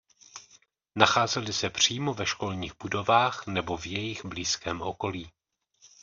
Nacházely se přímo ve školních budovách nebo v jejich blízkém okolí.